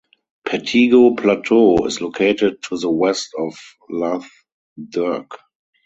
Pettigo Plateau is located to the west of Lough Derg.